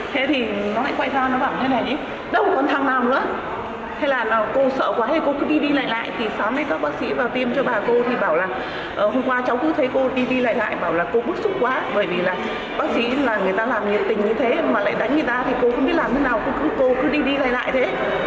hôm qua cháu cứ thấy cô đi đi lại lại bảo là cô bức xúc quá bởi vì là bác sĩ là người ta làm nhiệt tình như thế mà lại đánh người ta thì cô không biết làm thế nào cô cứ đi đi lại lại thế